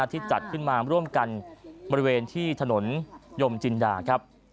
ที่จัดขึ้นมาร่วมกันบริเวณที่ถนนยมจินดาครับ